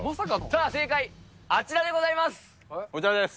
さあ、正解、あちらでございます。